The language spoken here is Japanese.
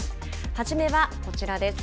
初めはこちらです。